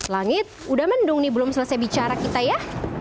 langit udah mendung nih belum selesai bicara kita ya